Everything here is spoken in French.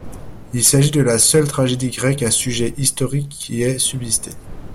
Il s'agit de la seule tragédie grecque à sujet historique qui ait subsisté.